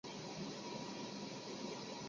乔治亚罗家族目前仍持有部份股权。